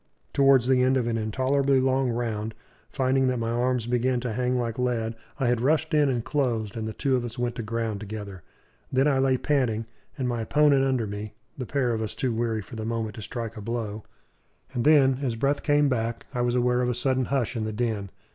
Towards the end of an intolerably long round, finding that my arms began to hang like lead, I had rushed in and closed; and the two of us went to ground together. Then I lay panting, and my opponent under me the pair of us too weary for the moment to strike a blow; and then, as breath came back, I was aware of a sudden hush in the din.